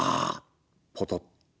ポトッ。